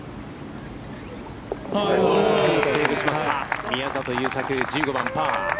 セーブしました宮里優作、１５番パー。